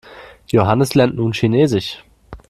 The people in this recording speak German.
Johannes lernt nun Chinesisch.